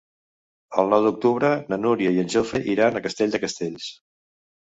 El nou d'octubre na Núria i en Jofre iran a Castell de Castells.